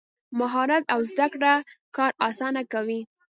مهارت او زده کړه کار اسانه کوي.